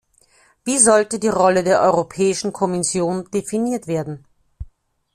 Wie sollte die Rolle der Europäischen Kommission definiert werden?